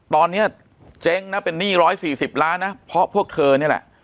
ตอนเนี้ยเจ๊งนะเป็นหนี้ร้อยสี่สิบล้านนะเพราะพวกเธอนี่แหละ